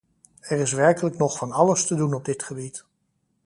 Er is werkelijk nog van alles te doen op dit gebied.